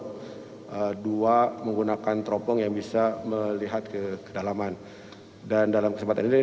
pesawat dua menggunakan teropong yang bisa melihat ke kedalaman dan dalam kesempatan ini